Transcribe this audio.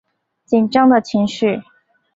紧张的情绪